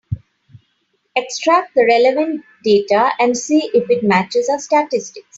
Extract the relevant data and see if it matches our statistics.